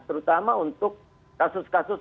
terutama untuk kasus kasus